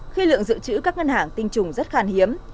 khi lượng dự trữ các ngân hàng tinh trùng rất khan hiếm